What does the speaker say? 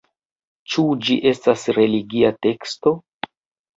Ĉu ĝi estas religia teksto?